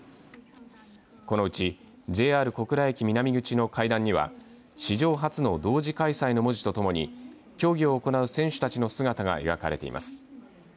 このうちＪＲ小倉駅南口の階段には史上初の同時開催の文字とともに競技を行う選手たちの姿が描かれています。